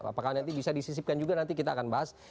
apakah nanti bisa disisipkan juga nanti kita akan bahas